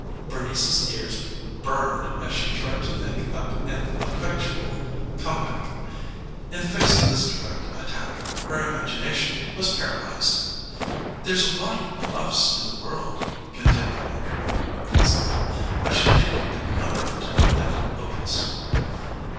Bernice's ears burned as she tried to think up an effectual come back. In the face of this direct attack her imagination was paralyzed. "There's a lot of bluffs in the world," continued Marjorie quite pleasantly. "I should think you'd be young enough to know that, Otis."